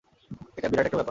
এটা বিরাট একটা ব্যাপার।